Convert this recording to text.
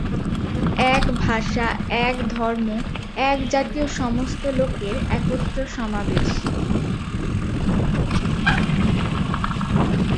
এক ভাষা, এক ধর্ম, এক জাতীয় সমস্ত লোকের একত্র সমাবেশ।